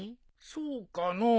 そうかのう。